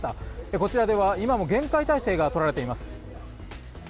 こちらでは今も厳戒態勢がとられています。